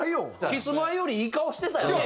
キスマイよりいい顔してたやん。